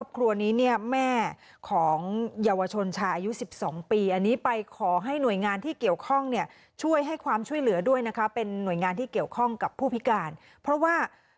ครัวนี้เนี่ยแม่ของเยาวชนชายอายุ๑๒ปีอันนี้ไปขอให้หน่วยงานที่เกี่ยวข้องเนี่ยช่วยให้ความช่วยเหลือด้วยนะคะเป็นหน่วยงานที่เกี่ยวข้องกับผู้พิการเพราะว่า